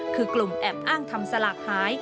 คือกลุ่มแอบอ้างทำสลากหาย